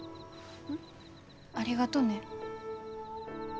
ん？ありがとね。